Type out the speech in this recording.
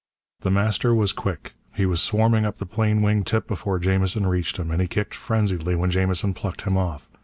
The Master was quick. He was swarming up the plane wing tip before Jamison reached him, and he kicked frenziedly when Jamison plucked him off.